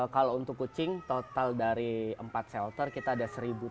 kalau untuk kucing total dari empat shelter kita ada satu tiga ratus